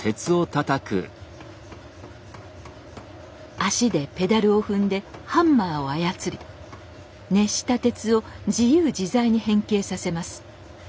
足でペダルを踏んでハンマーを操り熱した鉄を自由自在に変形させます。